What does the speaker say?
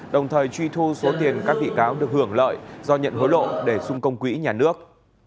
đồng thời truy thu số tiền các bị cáo được hưởng lợi do nhận hối lộ để xung công quỹ nhà nước